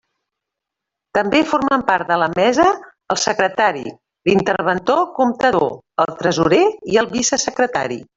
També formen part de la mesa el secretari, l'interventor comptador, el tresorer i el vicesecretari.